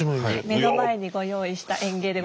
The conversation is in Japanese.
目の前にご用意した園芸で。